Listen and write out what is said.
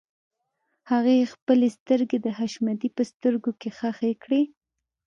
هغې خپلې سترګې د حشمتي په سترګو کې ښخې کړې.